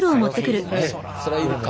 そら要るか。